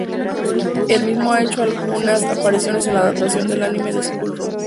Él mismo ha hecho algunas apariciones en la adaptación del anime de School Rumble.